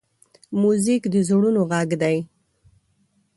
موزیک د زړونو غږ دی.